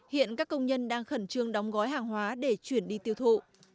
hiện các công nhân đang khẩn trương đóng gói hàng hóa để chuyển đi tiêu thụ